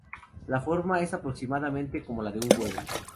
La forma es aproximadamente como la de un huevo.